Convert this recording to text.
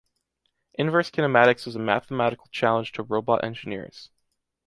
Inverse kinematics is a mathematical challenge to robot engineers.